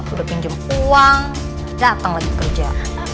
udah pinjem uang dateng lagi kerja